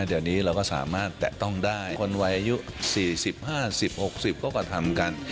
เดี๋ยวนี้เราก็สามารถแตะต้องได้คนวัยอายุ๔๐๕๐๖๐ก็กระทำกัน